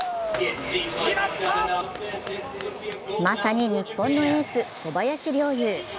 まさに日本のエース・小林陵侑。